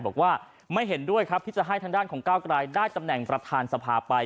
บอกว่าไม่เห็นด้วยครับที่จะให้ทางด้านของก้าวกลายได้ตำแหน่งประธานสภาไป